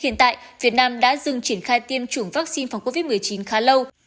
hiện tại việt nam đã dừng triển khai tiêm chủng vaccine phòng covid một mươi chín khá lâu